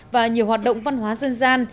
và nhiều hoạt động văn hóa dân gian